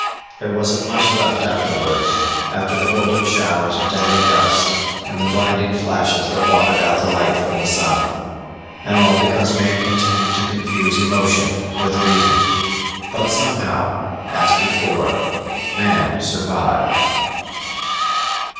_ _There wasn't much left afterwards after the golden showers of deadly dust and the blinding flashes that blotted out the light from the sun._ And all because man continued to confuse emotion with reason. _But somehow, as before, man survived....